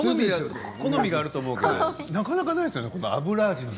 好みがあると思いますけどなかなかないですよね